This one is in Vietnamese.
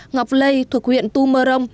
ngọc lây thuộc huyện tu mơ rông